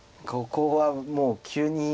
ここはもう急に。